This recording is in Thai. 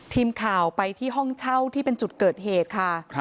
ทีมข่าวไปที่ห้องเช่าที่เป็นจุดเกิดเหตุค่ะ